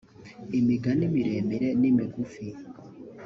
imigani miremire n’imigufi